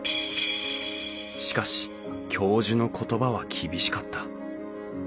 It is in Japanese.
しかし教授の言葉は厳しかった。